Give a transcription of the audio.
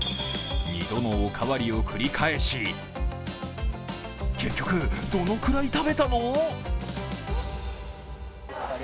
二度のおかわりを繰り返し結局、どのくらい食べたの？